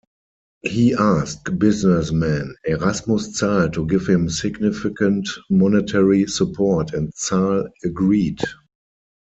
He asked businessman Erasmus Zahl to give him significant monetary support, and Zahl agreed.